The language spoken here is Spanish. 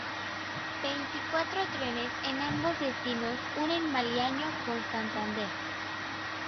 Veinticuatro trenes en ambos destinos unen Maliaño con Santander.